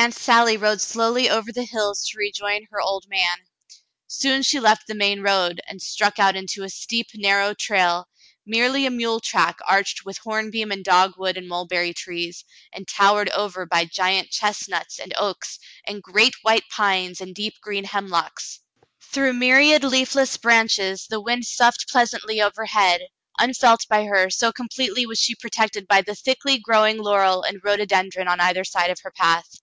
Aunt Sally rode slowly over the hills to rejoin her old man. Soon she left the main road and struck out into a steep, narrow trail, merely a mule track arched with hornbeam and dogwood and mulberry trees, and towered over by 30 The Mountain Girl giant chestnuts and oaks and great white pines and deep green hemlocks. Through myriad leafless branches the wind soughed pleasantly overhead, unfelt by her, so com pletely was she protected by the thickly growing laurel and rhododendron on either side of her path.